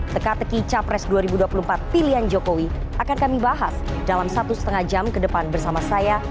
teka teki capres dua ribu dua puluh empat pilihan jokowi akan kami bahas dalam satu setengah jam ke depan bersama saya